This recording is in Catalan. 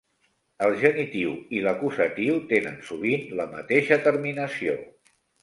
El genitiu i l'acusatiu tenen sovint la mateixa terminació.